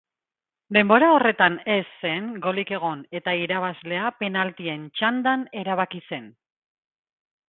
Denbora horretan ez zen golik egon eta irabazlea penaltien txandan erabaki zen.